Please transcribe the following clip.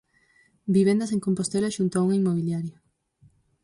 Vivendas en Compostela xunto a unha inmobiliaria.